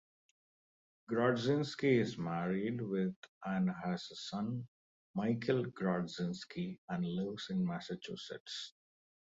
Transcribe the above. Grodzinsky is married with and has a son Michael Grodzinsky and lives in Massachusetts.